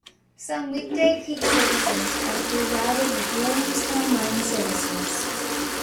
Some weekday peak services are through-routed with Williamstown line services.